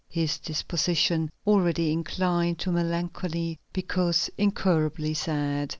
His disposition, already inclined to melancholy, became incurably sad.